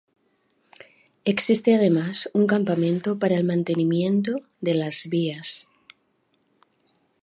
Existe además un campamento para el mantenimiento de las vías.